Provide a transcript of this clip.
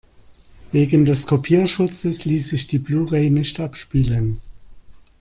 Wegen des Kopierschutzes ließ sich die Blu-ray nicht abspielen.